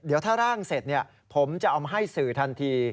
เดี๋ยวถ้าร่างเสร็จผมจะเอามาให้สื่อทันที